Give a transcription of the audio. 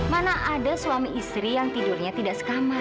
mana ada suami istri yang tidurnya tidak sekamar